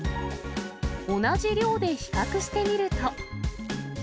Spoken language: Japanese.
同じ量で比較してみると。